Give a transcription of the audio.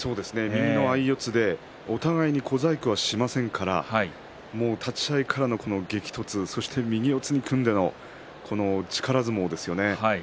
右の相四つでお互いに小細工はしませんから立ち合いからの激突そして右四つに組んでの力相撲ですよね。